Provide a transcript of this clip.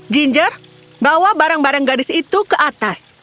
ginger bawa barang barang gadis itu ke atas